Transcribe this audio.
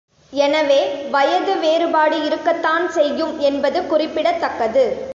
எனவே வயது வேறுபாடு இருக்கத்தான் செய்யும் என்பது குறிப்பிடத் தக்கது.